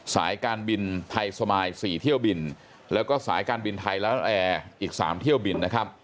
สายการบินไทยสมาย๔เที่ยวบินแล้วก็สายการบินไทยและแอร์อีก๓เที่ยวบินนะครับ